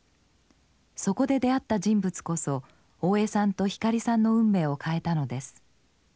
そこで出会った人物こそ大江さんと光さんの運命を変えたのです。